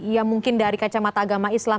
ya mungkin dari kacamata agama islam